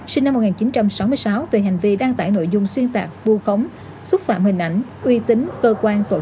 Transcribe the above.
sinh năm một nghìn chín trăm sáu mươi sáu về hành vi đăng tải nội dung xuyên tạc vu khống xúc phạm hình ảnh uy tín cơ quan tổ chức